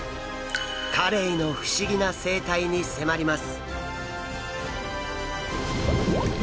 カレイの不思議な生態に迫ります！